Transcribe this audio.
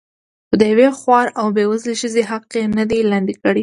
خو د یوې خوارې او بې وزلې ښځې حق یې نه دی لاندې کړی.